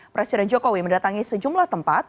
presiden jokowi mendatangi sejumlah tempat